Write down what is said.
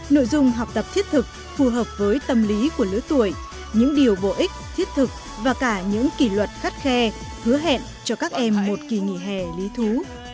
nội dung học tập thiết thực phù hợp với tâm lý của lứa tuổi những điều bổ ích thiết thực và cả những kỷ luật khắt khe hứa hẹn cho các em một kỳ nghỉ hè lý thú